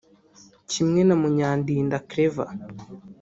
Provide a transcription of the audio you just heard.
kimwe na Munyandinda Claver